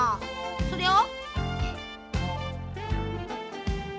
それを。